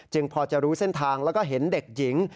พอจะรู้เส้นทางแล้วก็เห็นเด็กหญิง